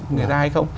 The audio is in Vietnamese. người ta hay không